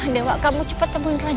dewa kamu cepet temuin raja sekarang